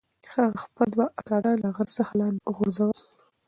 هغه خپل دوه اکاګان له غره څخه لاندې وغورځول.